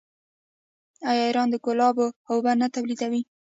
آیا ایران د ګلابو اوبه نه تولیدوي؟